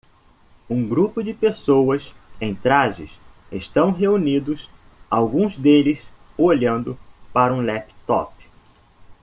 Um grupo de pessoas em trajes estão reunidos, alguns deles olhando para um laptop.